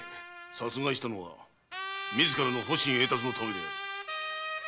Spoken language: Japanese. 殺害したのは自らの保身栄達のためである。